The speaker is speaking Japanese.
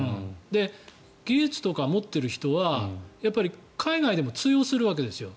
技術とか持っている人は海外でも通用するわけですよ。